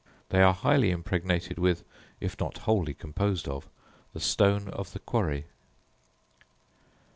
They are highly impregnated with, if not wholly composed of, the stone of the quarry.